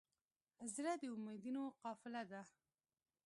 زړه د امیدونو قافله ده.